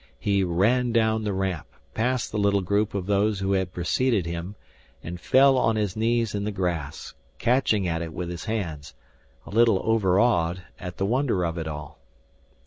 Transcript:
He ran down the ramp, past the little group of those who had preceded him, and fell on his knees in the grass, catching at it with his hands, a little over awed at the wonder of it all.